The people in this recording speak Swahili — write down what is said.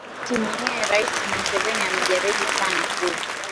a mwenyekiti mwenyewe rais museveni amejaribu sana kuu